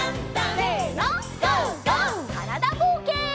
からだぼうけん。